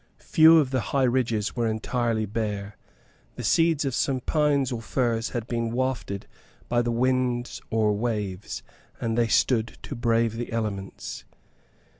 Few of the high ridges were entirely bare; the seeds of some pines or firs had been wafted by the winds or waves, and they stood to brave the elements.